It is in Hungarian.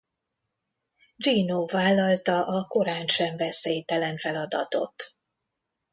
Gino vállalta a korántsem veszélytelen feladatot.